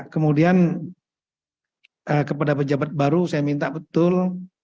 kemudian kepada pejabat baru saya minta betul